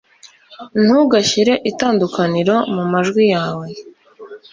Ntugashyire itandukaniro mumajwi yawe